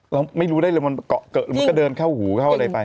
เราไม่รู้ได้เลยมันเกิดกระเดินเข้าหูหรือเข้าไกลไป